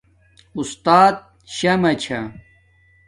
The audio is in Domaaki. اُستات شمع چھا